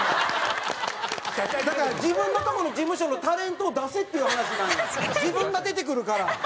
だから自分のとこの事務所のタレントを出せっていう話なのに自分が出てくるから。